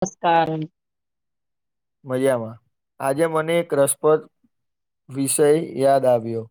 નમસ્કારન. મજામાં આજે મને એક રસપ્રદ વિષય યાદ આવ્યો.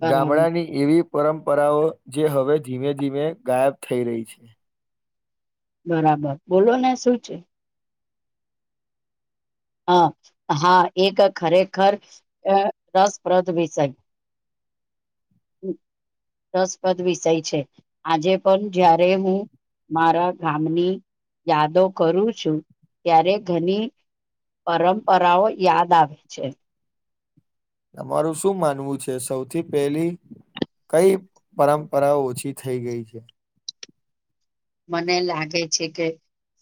બરાબર ગામડાની એવી પરંપરાઓ જે હવે ધીમે ધીમે ગાયબ થઈ રહી છે. બરાબર બોલો ને શું છે. હા હા એક ખરેખર અ રસપ્રદ વિષય [inaudible] રસપદ વિષય છે, આજે પણ જ્યારે હું મારા ગામની યાદો કરું છું, ત્યારે ઘની પરંપરાઓ યાદ આવે છે. તમારું શું માનવું છે? સૌથી પેલી કઈ પરંપરાઓ ઓછી થઈ ગઈ છે. મને લાગે છે કે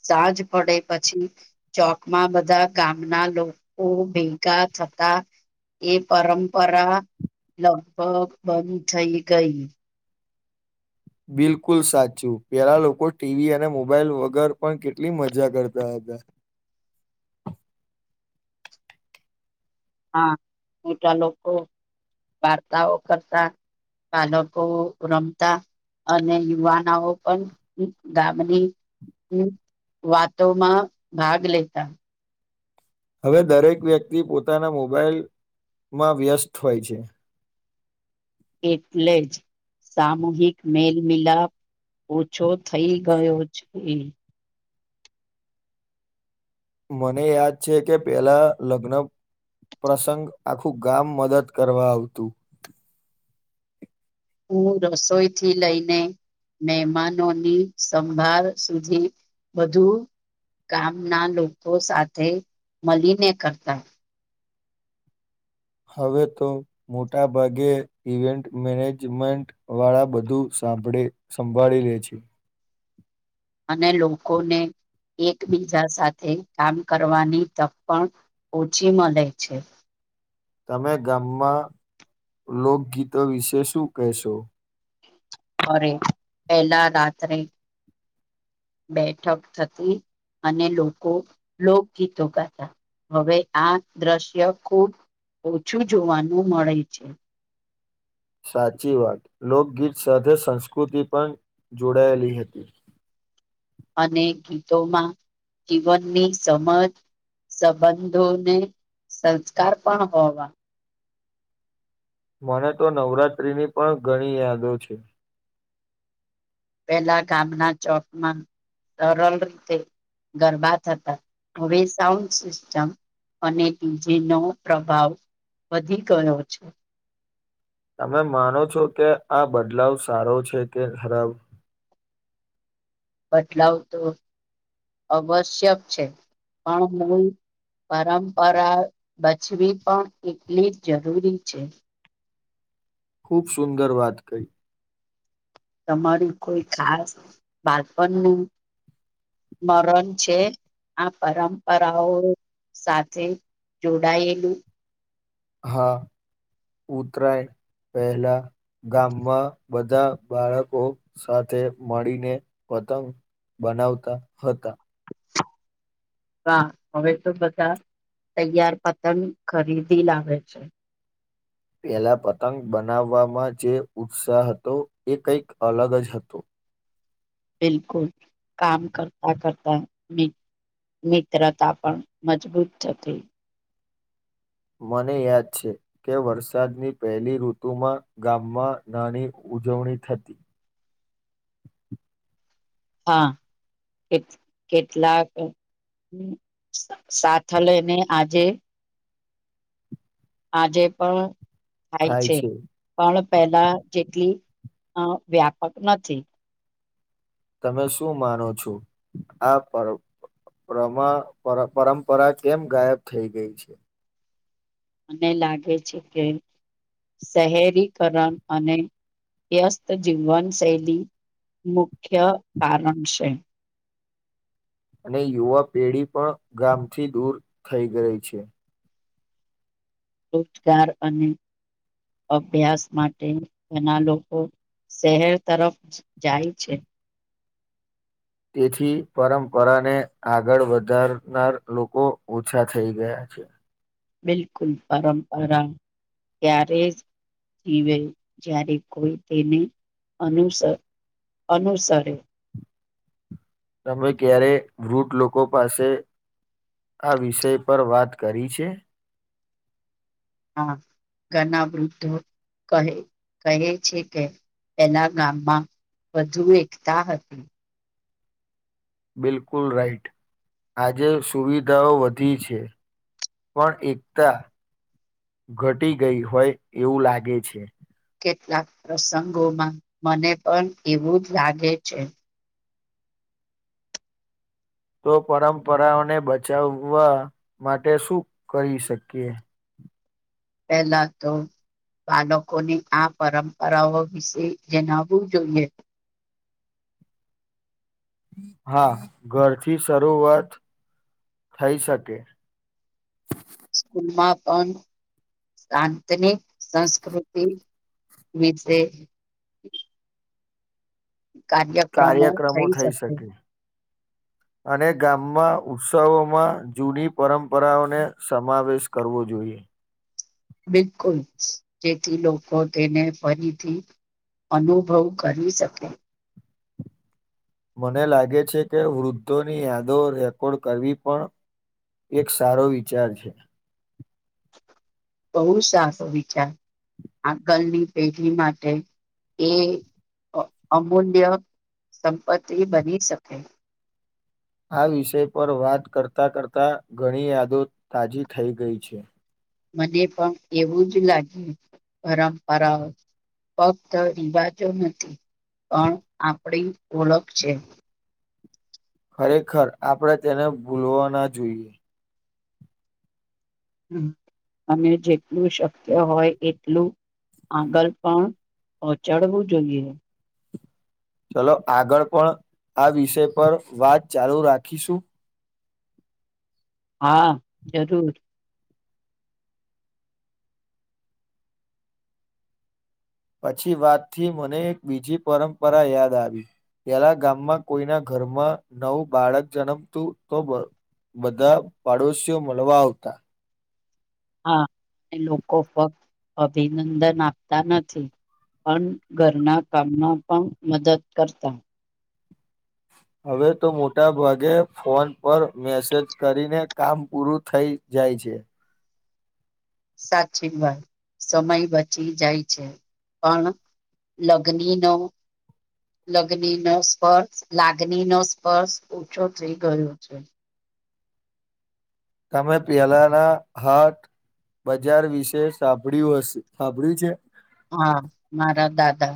સાંજ પડે પછી ચોકમાં બધા ગામના લોકો ભેગા થ તા. એ પરંપરા લગભગ બંધ થઈ ગઈ બિલકુલ સાચું પેલા લોકો ટીવી અને મોબાઈલ વગર પણ કેટલી મજા કરતા હતા હા મોટા લોકો વાર્તાઓ કરતા બાલકો રમતા અને યુવાનાઓ પણ ગામની હમ વાતોમાં ભાગ લેતા હવે દરેક વ્યક્તિ પોતાના મોબાાઈલ માં વ્યસ્ત હોય છે એટલે જ સામૂહિક મેલમિલાપ ઓછો થઈ ગયો છે મને યાદ છે કે પેલા લગ્ન પ્રસંગ આખું ગામ મદદ કરવા આવતું હું રસોઈ થી લઈને મહેમાનોની સંભાળ સુધી બધુ ગામના લોકો સાથે મલીને કરતા હવે તો મોટા ભાગે ઇવેન્ટ મેનેજમેન્ટ વાળા બધું સ હાંભળે સંભાળી લે છે અને લોકોને એકબીજા સાથે કામ કરવાની તક પણ ઓછી મલે છે. તમે ગામમાં લોકગીતો વિશે શું કહેશો? અરે પહેલા રાત્રે બેઠક થતી અને લોકો લોકગીતો ગાતા હવે આ દ્રશ્ય ખૂબ ઓછું જોવાનું મળે છે સાચી વાત લોકગીત સાથે સંસ્કૃતિ પણ જોડાયેલી હતી. અને ગીતોમાં જીવનની સમજ સંબંધોને સંસ્કાર પણ હોવા મને તો નવરાત્રીની પણ ઘણી યાદો છે પેલા ગામના ચોકમાં સરળ રીતે ગરબા થતા હવે સાઉન્ડ સિસ્ટમ અને ડીજે નો પ્રભાવ વધી ગયો છે તમે માનો છો કે આ બદલાવ સારો છે કે ખરાબ બદલાવ તો અવશ્યક છે પણ હું પરંપરા બચવી પણ એટલી જ જરૂરી છે ખૂબ સુંદર વાત કહી તમારું કોઈ ખાસ બાળપણની મરણ છે આ પરંપરાઓ સાથે જોડાયેલું હા ઉતરાય પહેલા ગામમાં બધા બાળકો સાથે મળીને વ પતંગ બનાવતા હતા હા હવે તો બધા તૈયાર પતંગ ખરીદી લાવે છે પહેલા પતંગ બનાવવામાં જે ઉત્સાહ હતો એ કંઈક અલગ જ હતો બિલકુલ કામ કરતા કરતા મી મિત્રતા પણ મજબૂત થતી મને યાદ છે કે વરસાદની પહેલી ઋતુમાં ગામમાં નાની ઉજવણી થતી હા કે કેટલાક સાથ લઇ ને આજે આજે પણ થાય છે પણ પહેલા જેટલી અ વ્યાપક નથી તમે શું માનો છો આ પર પ્રમા પરંપરા કેમ ગાયબ થઈ ગઈ છે? મને લાગે છે કે શહેરીકરણ અને વ્યસ્ત જીવનશૈલી મુખ્ય કારણ છે અને યુવા પેઢી પણ ગામથી દૂર થઈ ગઈ છે રોજગાર અને અભ્યાસ માટે ઘના લોકો શહેર તરફ જાય છે તેથી પરંપરાને આગળ વધારનાર લોકો ઓછા થઈ ગયા અ છે બિલકુલ પરંપરા ત્યારે જ્યારે કોઈ તેને અનુસર અનુસરે તમે ક્યારે વૂટ લોકો પાસે આ વિષય પર વાત કરી છે હા ઘરના વૃદ્ધો કહે કહે છે કે પેલા ગામમાં વધુ એકતા હતી બિલકુલ રાઈટ આજે સુવિધાઓ વધી છે પણ એકતા ઘટી ગઈ હોય એવું લાગે છે કેટલાક પ્રસંગોમાં મને પણ એવું જ લાગે છે તો પરંપરાઓને બચાવવા માટે શું કરી શકીએ પહેલા તો બાળકોને આ પરંપરાઓ વિશે જણાવવું જોઈએ હા ઘરથી શરૂઆત થઈ શકે માં પણ શાંતની સંસ્કૃતિ વીજે કાર્યક્રમો થઈ શકે અને ગામમાં ઉત્સવોમાં જૂની પરંપરાઓને સમાવેશ કરવો જોઈએ [inaudible] બિલકુલ જેથી લોકો તેને ફરીથી અનુભવ કરી શકે મને લાગે છે કે વૃદ્ધોની યાદો રેકોર્ડ કરવી પણ એક સારો વિચાર છે બહુ સાચો વિચાર આગલની પેઢી માટે એ અમૂલ્ય સંપત્તિ બની શકે આ વિષય પર વાત કરતાં કરતાં ઘણી યાદો તાજી થઈ ગઈ છે મને પણ એવું જ લાગ્યું પરંપરાઓ ફક્ત રિવાજો નથી પણ આપણી ઓળખ છે ખરેખર આપણે તેને ભૂલવા ના જોઈએ હ અને જેટલું શક્ય હોય એટલું આગળ પણ પહોંચાડવું જોઈએ ચલો આગળ પણ આ વિષય પર વાત ચાલુ રાખીશું હા જરૂર પછી વાતથી મને એક બીજી પરંપરા યાદ આવી પેલા ગામમાં કોઈના ઘરમાં નવું બાળક જન્મતું તો બ બધા પાડોશીઓ મળવા આવતા હા લોકો ફક્ત અભિનંદન આપતા નથી અ ઘરના કામમાં પણ મદદ કરતા [inaudible] હવે તો મોટા ભાગે ફોન પર મેસેજ કરીને કામ પૂરું થઈ જાય છે જ સાચી વાય સમય બચી જાય છે પણ લગ્ની નો લગ્ન ન સ્પર્શ લાગની ન સ્પર્શ ઓછો થઈ ગયો છે તમે પિયાલાના હાત બજાર વિશે સાંભળ્યું હશે સાંભળ્યું છે? હા મારા દાદા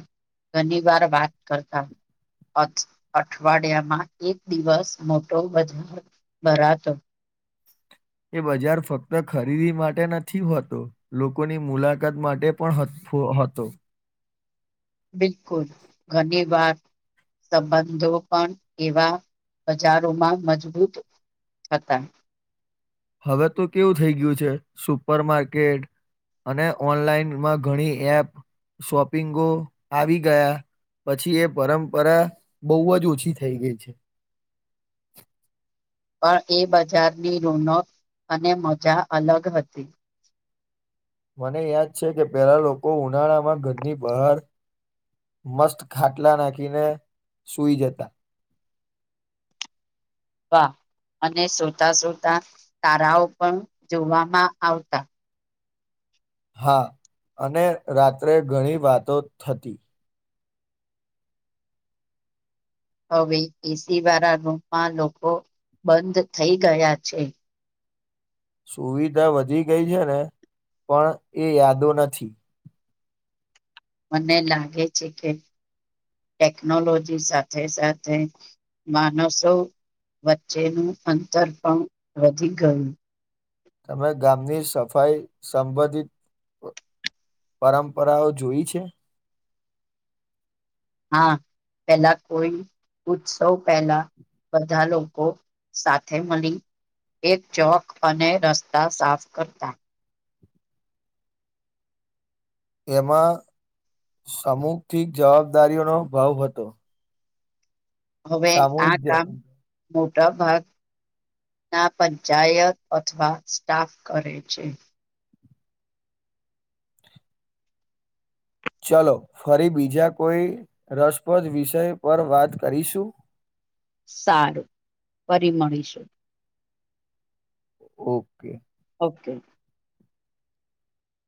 ઘણી વાર વાત કરતા અઠ અઠવાડિયામાં એક દિવસ મોટો બજાર ભરાતો એ બજાર ફક્ત ખરીદી માટે નથી હોતો લોકોની મુલાકાત માટે પણ હ ફો હતો બિલકુલ ઘણી વાત સંબંધો પણ એવા બજારોમાં મજબૂત થતા હવે તો કેવું થઈ ગયું છે સુપર માર્કેટ અને ઓનલાઈનમાં ઘણી એપ શોપિંગો આવી ગયા પછી એ પરંપરા બવ જ ઓછી થઈ ગઈ છે [inaudible] પ એ બજારની રોનક અને મજા અલગ હતી મને યાદ છે કે પહેલા લોકો ઉનાળામાં ઘરની બહાર મસ્ત ખાટલા નાખીને સુઈ જતા વાહ અને સુતા સુતા તારાઓ પણ જોવામાં આવતા હા અને રાત્રે ઘણી વાતો થતી હવે એસીવારા રૂમમાં લોકો બંધ થઈ ગયા છે સુવિધા વધી ગઈ છે ને પણ એ યાદો નથી મને લાગે છે કે ટેકનોલોજી સાથે સાથે માણસો વચ્ચેનું અંતર પણ વધી ગયું. તમે ગામની સફાઈ સંબંધિત પરંપરાઓ જોઈ છે હા પેલા કોઈ ઉત્સવ પહેલા બધા લોકો સાથે મળી એક ચોક અને રસ્તા સાફ કરતા એમાં સમુખથી જવાબદારીઓનો ભાવ હતો હવે આ સામૂહિક જ કામ મોટા ભાગ ના પંચાયત અથવા સ્ટાફ કરે છે ચલો ફરી બીજા કોઈ રસપ્રદ વિષય પર વાત કરીશું સારું ફરી મળીશું ઓકે ઓકે